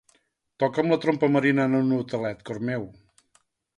Toca'm la trompa marina en un hotelet, cor meu.